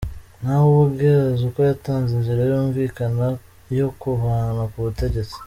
Nawe ubwe, azi ko yatanze inzira yumvikana yo kumuvana ku butegetsi.